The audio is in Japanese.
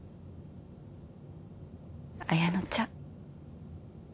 綾乃ちゃん。